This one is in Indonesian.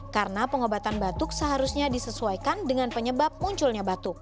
karena pengobatan batuk seharusnya disesuaikan dengan penyebab munculnya batuk